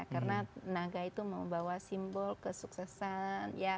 karena naga itu membawa simbol kesuksesan